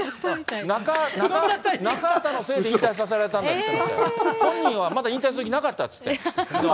中畑のせいで引退させられたんだと言ってましたよ、本人はまだ引退する気なかったって言って。